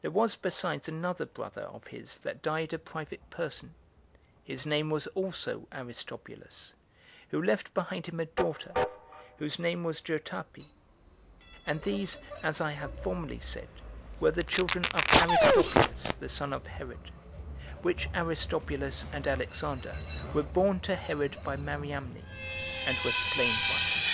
There was besides another brother of his that died a private person, his name was also Aristobulus, who left behind him a daughter, whose name was Jotape: and these, as I have formerly said, were the children of Aristobulus the son of Herod, which Aristobulus and Alexander were born to Herod by Mariamne, and were slain by him.